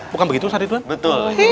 bukan begitu ustadz ridwan betul